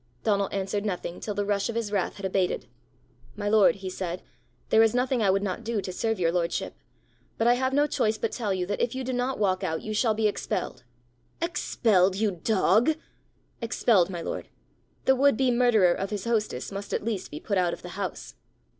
Donal answered nothing till the rush of his wrath had abated. "My lord," he said, "there is nothing I would not do to serve your lordship. But I have no choice but tell you that if you do not walk out, you shall be expelled!" "Expelled, you dog!" "Expelled, my lord. The would be murderer of his hostess must at least be put out of the house."